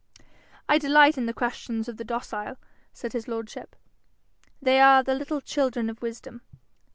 'I delight in the questions of the docile,' said his lordship. 'They are the little children of wisdom.